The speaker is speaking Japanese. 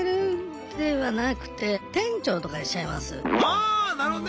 あなるほどね。